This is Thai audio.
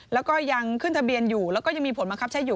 แล้วก็ยังขึ้นทะเบียนอยู่แล้วก็ยังมีผลบังคับใช้อยู่